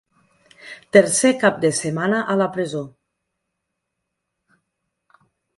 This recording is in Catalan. Tercer cap de setmana a la presó.